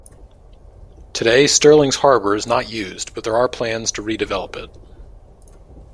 Today Stirling's harbour is not used but there are plans to redevelop it.